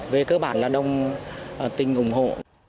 về cơ bản là đông tin ủng hộ